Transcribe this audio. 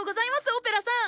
オペラさん！